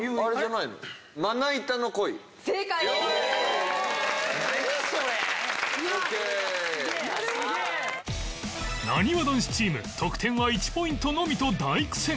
なにわ男子チーム得点は１ポイントのみと大苦戦